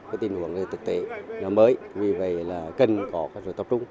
có tình huống thực tế mới vì vậy là cần có tập trung